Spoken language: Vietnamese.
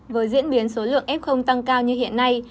với diễn biến số lượng f tăng cao như hiện nay